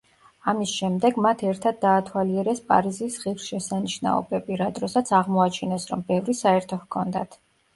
ამის შემდეგ მათ ერთად დაათვალიერეს პარიზის ღირსშესანიშნაობები, რა დროსაც აღმოაჩინეს, რომ ბევრი საერთო ჰქონდათ.